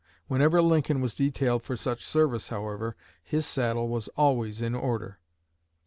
Whenever Lincoln was detailed for such service, however, his saddle was always in order.